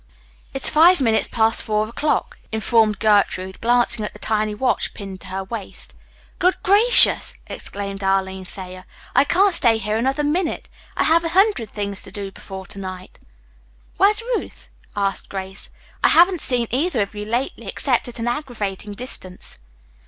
"It's five minutes past four o'clock," informed Gertrude, glancing at the tiny watch pinned to her waist. "Good gracious!" exclaimed Arline Thayer, "I can't stay here another minute. I have a hundred things to do before to night." "Where's Ruth?" asked Grace. "I haven't seen either of you lately except at an aggravating distance."